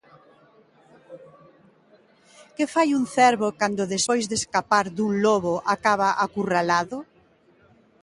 Que fai un cervo cando despois de escapar dun lobo acaba acurralado?